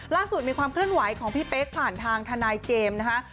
มีความเคลื่อนไหวของพี่เป๊กผ่านทางทนายเจมส์นะคะ